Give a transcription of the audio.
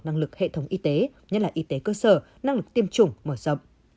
năng lực hệ thống y tế nhất là y tế cơ sở năng lực tiêm chủng mở rộng